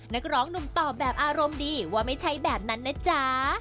นักร้องหนุ่มตอบแบบอารมณ์ดีว่าไม่ใช่แบบนั้นนะจ๊ะ